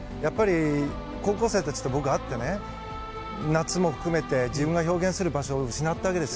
高校生たちと僕、会ってね夏も含めて自分が表現する場所を失ったわけです。